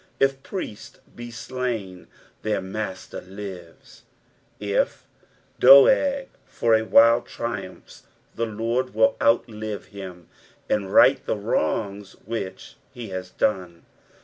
If priests be slain their Master lives. It Doeg for awhile triumphs the Lord will outlive hioi, and right the wrongs which he has done.